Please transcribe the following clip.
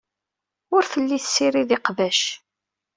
Ur telli tessirid iqbac.